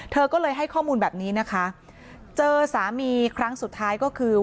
เธอก็เลยให้ข้อมูลแบบนี้นะคะเจอสามีครั้งสุดท้ายก็คือ